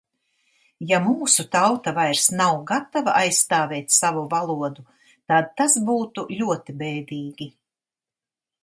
Ja mūsu tauta vairs nav gatava aizstāvēt savu valodu, tad tas būtu ļoti bēdīgi.